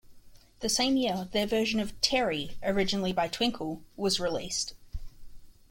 The same year their version of "Terry", originally by Twinkle, was released.